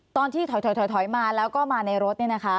ตอนที่ถอยมาแล้วก็มาในรถ